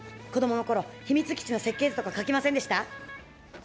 子どものころ秘密基地の設定図とか描きませんでした？